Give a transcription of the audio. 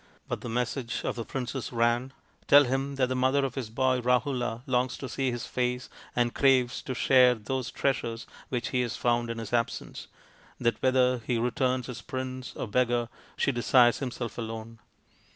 But the message of the princess ran, " Tell him that the mother of his boy Rahula longs to see his face and craves to share those treasures which he has found in his absence, that whether he N i 9 4 THE INDIAN STORY BOOK returns as prince or beggar she desires himself alone."